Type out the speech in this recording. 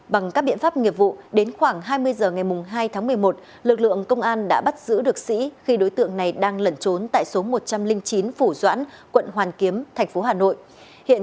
bằng các biện pháp nghiệp vụ đến khoảng hai mươi h ngày hai tháng một mươi một lực lượng công an đã bắt giữ được sĩ khi đối tượng này đang lẩn trốn tại số một trăm linh chín phủ doãn quận hoàn kiếm thành phố hà nội